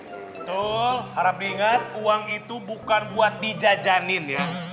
betul harap diingat uang itu bukan buat dijajanin ya